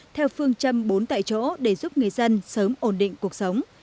theo phương châm bốn tại chỗ để giúp người dân sớm ổn định cuộc sống